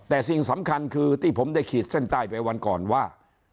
แต่สิ่งสำคัญคือที่ผมได้ขีดเส้นใต้ไปวันก่อนว่า